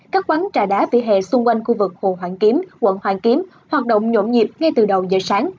các quán trà đá vỉa hè xung quanh khu vực hồ hoàn kiếm quận hoàn kiếm hoạt động nhộn nhịp ngay từ đầu giờ sáng